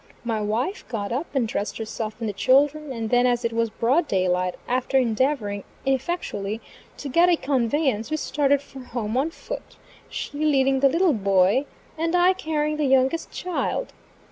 My wife got up and dressed herself and the children, and then as it was broad daylight, after endeavoring, ineffectually, to get a conveyance, we started for home on foot, she leading the little boy, and I carrying the youngest child.